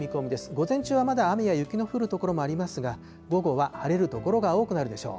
午前中はまだ雨や雪の降る所もありますが、午後は晴れる所が多くなるでしょう。